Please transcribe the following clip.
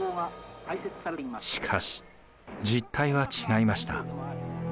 しかし実態は違いました。